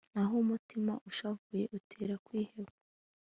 naho umutima ushavuye utera kwiheba